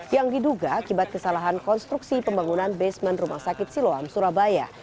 yang diduga akibat kesalahan konstruksi pembangunan basement rumah sakit siloam surabaya